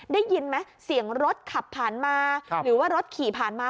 ได้ยินไหมเสียงรถขับผ่านมาหรือว่ารถขี่ผ่านมา